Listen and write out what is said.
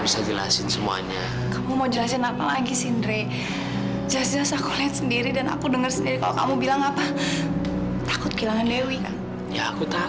sampai jumpa di video selanjutnya